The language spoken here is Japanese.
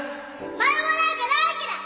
マルモなんか大嫌い！